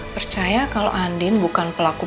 percaya kalau andin bukan pelaku